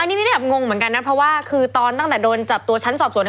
อันนี้ไม่ได้แอบงงเหมือนกันนะเพราะว่าคือตอนตั้งแต่โดนจับตัวชั้นสอบสวน